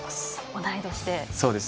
同い年で。